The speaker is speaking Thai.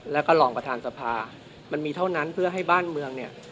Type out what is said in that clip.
แล้วก็รองประธานสภามันมีเท่านั้นเพื่อให้บ้านเมืองเนี่ย